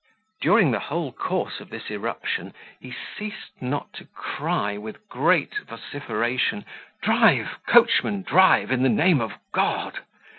During the whole course of this irruption, he ceased nor to cry, with great vociferation, "Drive, coachman, drive, in the name of God!"